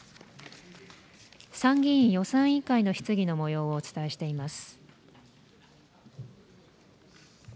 参議院予算委員の質疑のもようをお伝えしています。